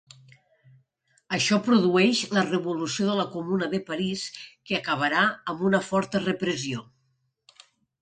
Això produeix la revolució de la Comuna de Paris que acabara amb una forta repressió.